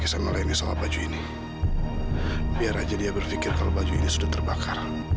sampai jumpa di video selanjutnya